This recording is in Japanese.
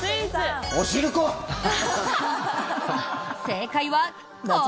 おしるこ！